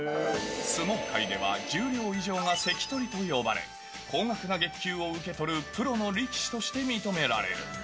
相撲界では十両以上が関取と呼ばれ、高額な月給を受け取れるプロの力士として認められる。